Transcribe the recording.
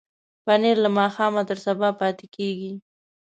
پنېر له ماښامه تر سبا پاتې کېږي.